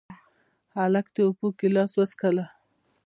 هلک د اوبو ګیلاس وڅښله.